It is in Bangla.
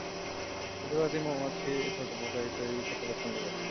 এই প্রজাতি মৌমাছি, ছোট পোকা ইত্যাদি খেতে পছন্দ করে।